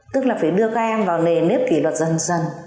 tức là phải đưa các em vào nề nếp kỷ luật dần dần